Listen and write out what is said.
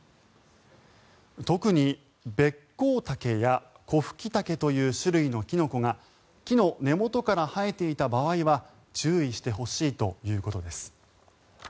特にベッコウタケやコフキタケという種類のキノコが木の根元から生えていた場合は注意してほしいということです。